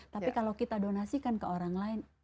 tapi kalau kita donasikan ke orang lain